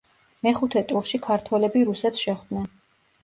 მეხუთე ტურში ქართველები რუსებს შეხვდნენ.